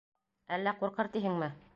Әллә ҡурҡыр тиһеңме?